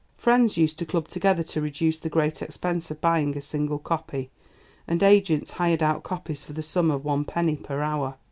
Friends used to club together to reduce the great expense of buying a single copy, and agents hired out copies for the sum of one penny per hour.